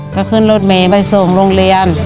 ก็ขึ้นรถเมย์ไปส่งโรงเรียน